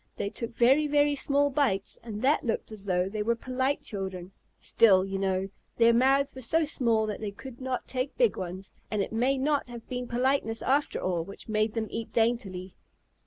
They took very, very small bites, and that looked as though they were polite children. Still, you know, their mouths were so small that they could not take big ones, and it may not have been politeness after all which made them eat daintily.